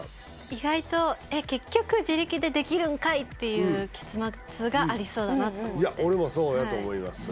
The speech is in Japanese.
意外とえ結局自力でできるんかいっていう結末がありそうだなと思っていや俺もそうやと思います